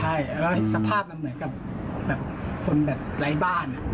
ใช่สภาพละเหมือนกับคนแบบไล่บ้าน